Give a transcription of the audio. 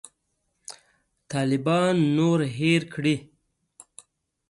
طالبان نور هېر کړي.